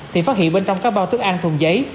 thì phát hiện bên trong các bao thức ăn thùng giấy